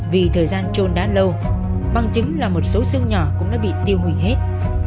vì thời gian trôn đã lâu bằng chứng là một số siêu nhỏ cũng đã bị tiêu hủy hết